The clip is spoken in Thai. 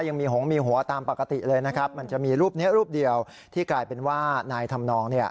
ยังมีหงมีหัวตามปกติเลยนะครับมันจะมีรูปนี้รูปเดียวที่กลายเป็นว่านายทำนองเนี่ย